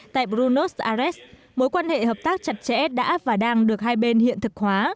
tại brunos ares mối quan hệ hợp tác chặt chẽ đã và đang được hai bên hiện thực hóa